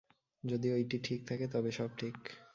যদি ঐটি ঠিক থাকে, তবে সব ঠিক।